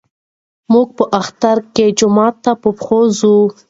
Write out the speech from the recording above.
موږ په اختر کې جومات ته په پښو ځو.